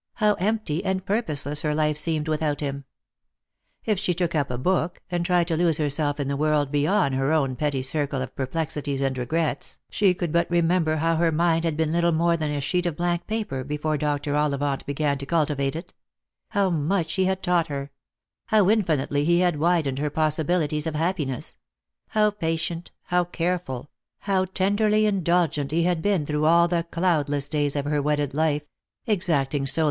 how empty and purposeless her life seemed without him ! If she took up a book, and tried to lose herself in a world beyond her own petty circle of perplexities and regrets, she could but remember how her mind had been little more than a sheet of blank paper before Dr. Ollivant began to cultivate it; how much he had taught her; how infinitely he had widened her possibilities of happiness ; how patient, how careful, how tenderly indulgent he had been through all the cloudless days of her wedded life ; exacting so Lost for Love.